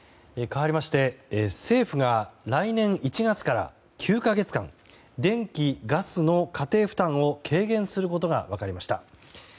かわりまして政府が来年１月から９か月間電気・ガスの家庭負担を軽減することが分かりました。